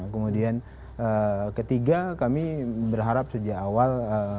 kemudian ketiga kami berharap sejak awal